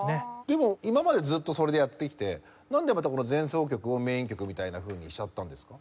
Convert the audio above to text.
でも今までずっとそれでやってきてなんでまたこの前奏曲をメイン曲みたいなふうにしちゃったんですか？